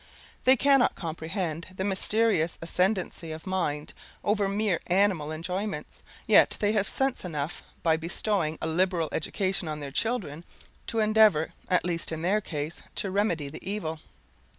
They cannot comprehend the mysterious ascendancy of mind over mere animal enjoyments; yet they have sense enough, by bestowing a liberal education on their children, to endeavour, at least in their case, to remedy the evil.